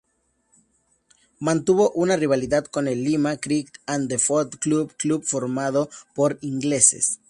Mantuvo una rivalidad con el Lima Cricket and Football Club, club formado por ingleses.